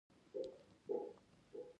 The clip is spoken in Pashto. دوی د قران کریم مشخص سورتونه تلاوت کول.